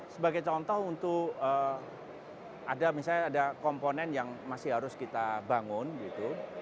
sebagai contoh untuk ada misalnya ada komponen yang masih harus kita bangun gitu